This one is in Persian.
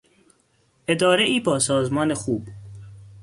ادارهای با سازمان خوب